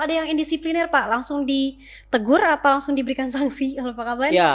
ada yang indisipliner pak langsung ditegur apa langsung diberikan sanksi kalau pak ablan ya